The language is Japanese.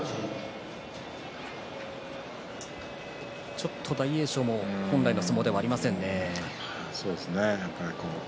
ちょっと大栄翔も本来の相撲ではないですね。